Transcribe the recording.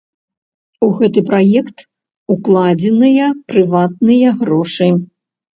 У гэты праект укладзеныя прыватныя грошы.